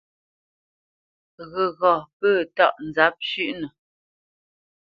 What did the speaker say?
Ghəgha pə̂ tâʼ nzǎp shʉʼnə.